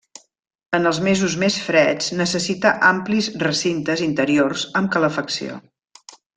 En els mesos més freds necessita amplis recintes interiors amb calefacció.